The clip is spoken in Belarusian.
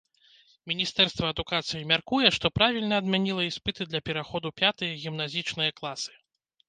Міністэрства адукацыі мяркуе, што правільна адмяніла іспыты для пераходу пятыя гімназічныя класы.